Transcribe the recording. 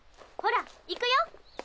ほら行くよ！